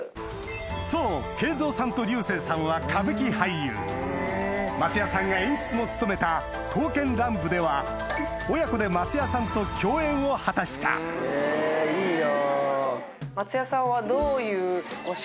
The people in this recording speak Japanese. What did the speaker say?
そう桂三さんと龍生さんは歌舞伎俳優松也さんが演出も務めた『刀剣乱舞』では親子で松也さんと共演を果たしたいいな。